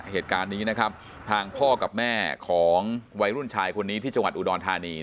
เหตุการณ์นี้นะครับทางพ่อกับแม่ของวัยรุ่นชายคนนี้ที่จังหวัดอุดรธานี